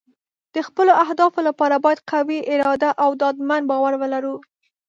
د خپلو اهدافو لپاره باید قوي اراده او ډاډمن باور ولرو.